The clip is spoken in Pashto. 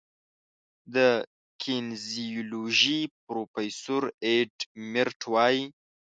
د کینیزیولوژي پروفیسور ایډ میرټ وايي